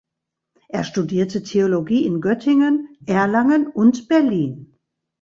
Er studierte Theologie in Göttingen, Erlangen und Berlin.